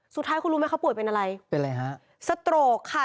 สุดท้ายคุณรู้ไหมเขาป่วยเป็นอะไรเป็นอะไรฮะสโตรกค่ะ